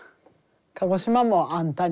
鹿児島も「あんたに」